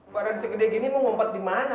para segede gini mau ngompet di mana